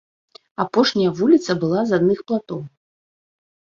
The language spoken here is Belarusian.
Апошняя вуліца была з адных платоў.